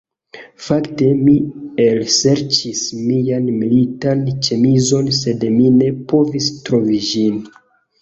Fakte, mi elserĉis mian militan ĉemizon sed mi ne povis trovi ĝin